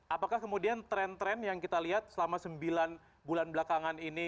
apakah kemudian tren tren yang kita lihat selama sembilan bulan belakangan ini